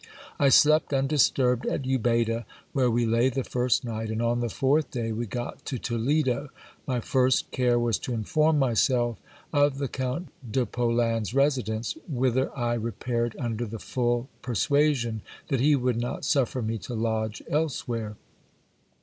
I slept undisturbed at Ubeda, where we lay the first night, and on the fourth day we got to Toledo. My first care was to inform myself of the Count de Polan's residence, whither I repaired under the full per suasion that he would not suffer me to lodge elsewhere.